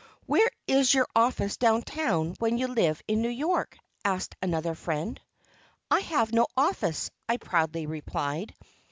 "Where is your office down town when you live in New York?" asked another friend. "I have no office," I proudly replied.